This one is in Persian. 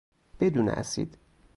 بدون اسید